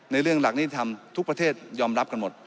เรื่องหลักนิติธรรมทุกประเทศยอมรับกันหมด